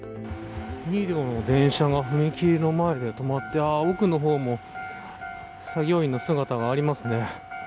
２両の電車が踏切の前で止まって奥の方も作業員の姿がありますね。